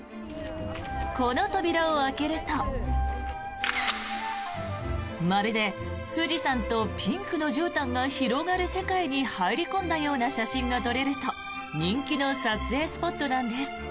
この扉を開けるとまるで富士山とピンクのじゅうたんが広がる世界に入り込んだような写真が撮れると人気の撮影スポットなんです。